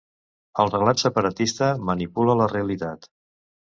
El relat separatista manipula la realitat.